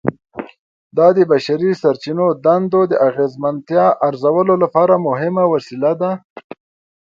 دا د بشري سرچینو دندو د اغیزمنتیا ارزولو لپاره مهمه وسیله ده.